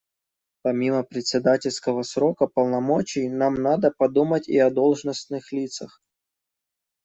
Помимо председательского срока полномочий нам надо подумать и о должностных лицах.